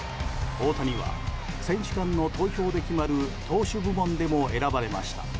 大谷は選手間の投票で決まる投手部門でも選ばれました。